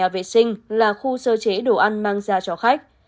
cạnh nhà vệ sinh là khu sơ chế đồ ăn mang ra cho khách